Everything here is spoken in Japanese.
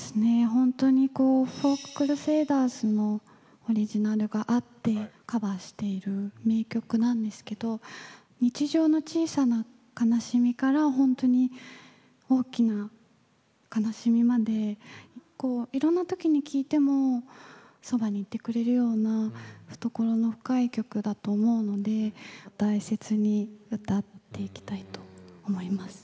ほんとにこうフォーク・クルセダーズのオリジナルがあってカバーしている名曲なんですけど日常の小さな悲しみからほんとに大きな悲しみまでいろんな時に聞いてもそばにいてくれるような懐の深い曲だと思うので大切に歌っていきたいと思います。